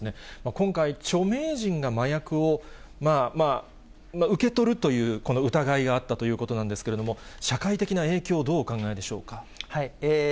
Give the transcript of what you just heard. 今回、著名人が麻薬を受け取るという、この疑いがあったということなんですけれども、社会的な影響を、どうお考えでしょうか。